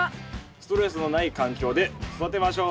ストレスのない環境で育てましょう。